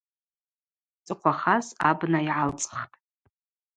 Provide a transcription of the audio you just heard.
Йцӏыхъвахаз абна йгӏалцӏхтӏ.